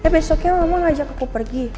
besoknya mama ngajak aku pergi